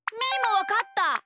わかった！